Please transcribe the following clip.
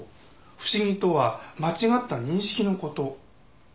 「不思議」とは間違った認識の事。